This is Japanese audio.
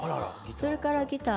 それからギター